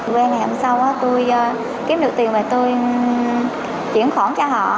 qua ngày hôm sau tôi kiếm được tiền và tôi chuyển khoản cho họ